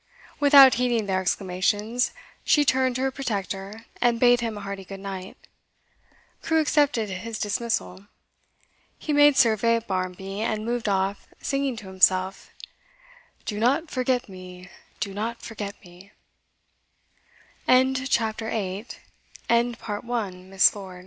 Without heeding their exclamations, she turned to her protector and bade him a hearty good night. Crewe accepted his dismissal. He made survey of Barmby, and moved off singing to himself, 'Do not forget me do not forget me ' Part II: Nature's Graduate CHAPTER